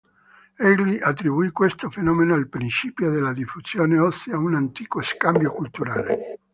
Egli attribuì questo fenomeno al principio della "diffusione" ossia un antico scambio culturale.